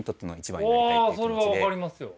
それは分かりますよ。